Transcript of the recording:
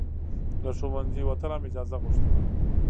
له ښوونځي وتل هم اجازه غوښتله.